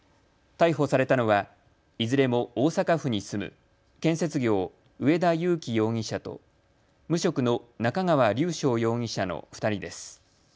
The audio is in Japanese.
逮捕されたのはいずれも大阪府に住む建設業、植田諭亀容疑者と無職の中川龍翔容疑者の２人です。